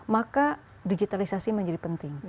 maka digitalisasi menjadi penting